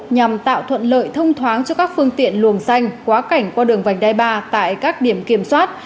nhằm tạo thuận lợi thông thoáng cho các phương tiện luồng xanh quá cảnh qua đường vành đai ba tại các điểm kiểm soát